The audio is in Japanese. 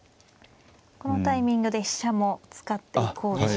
このタイミングで飛車も使っていこうと。